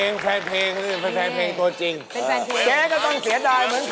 มันเลยอะไรตรงนี้นี่วะ